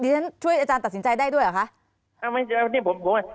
ดิฉันช่วยอาจารย์ตัดสินใจได้ด้วยเหรอคะ